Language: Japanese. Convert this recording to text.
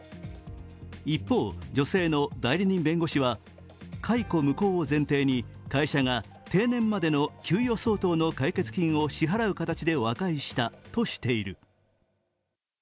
一方、女性の代理人弁護士は解雇無効を前提に会社が定年までの給与相当の解決金を支払う方向で和解したとしている。